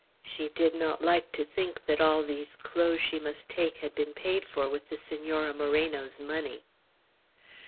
She did not like to think that all these clothes she must take had been paid for with the Senora Moreno's money.